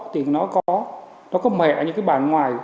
thì nó có mẻ những cái bàn ngoài